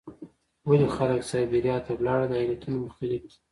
ولې خلک سابیریا ته لاړل؟ دا علتونه مختلف دي.